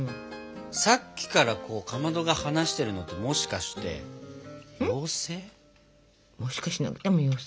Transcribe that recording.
さっきからかまどが話してるのってもしかして妖精？